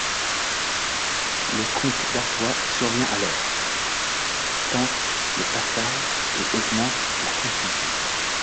Le comte d'Artois survient alors, tente le passage et augmente la confusion.